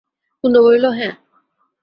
কুন্দ বলিল, হ্যাঁ।